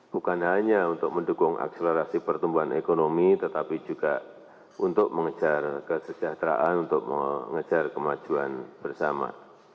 bukan hanya untuk mendukung akselerasi pertumbuhan ekonomi tetapi juga untuk mengejar kesejahteraan untuk mengejar kemajuan bersama